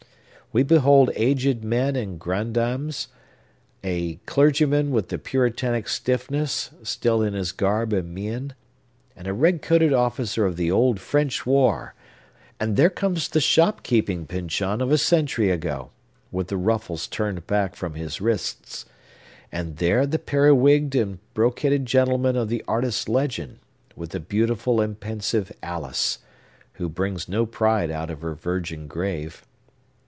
We behold aged men and grandames, a clergyman with the Puritanic stiffness still in his garb and mien, and a red coated officer of the old French war; and there comes the shop keeping Pyncheon of a century ago, with the ruffles turned back from his wrists; and there the periwigged and brocaded gentleman of the artist's legend, with the beautiful and pensive Alice, who brings no pride out of her virgin grave.